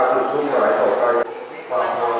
การพุทธศักดาลัยเป็นภูมิหลายการพุทธศักดาลัยเป็นภูมิหลาย